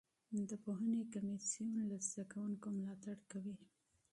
د پوهنې کمیسیون له زده کوونکو ملاتړ کوي.